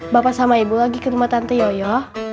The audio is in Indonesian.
bapak sama ibu lagi ke rumah tante yoyo